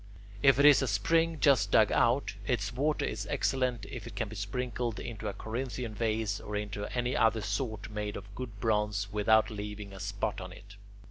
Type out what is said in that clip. If it is a spring just dug out, its water is excellent if it can be sprinkled into a Corinthian vase or into any other sort made of good bronze without leaving a spot on it.